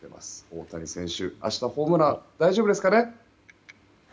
大谷選手、明日ホームラン大丈夫ですかね？